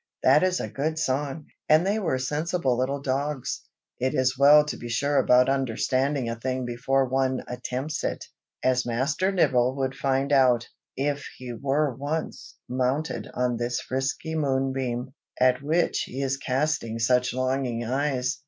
"That is a good song, and they were sensible little dogs. It is well to be sure about understanding a thing before one attempts it, as Master Nibble would find out, if he were once mounted on this frisky moonbeam, at which he is casting such longing eyes."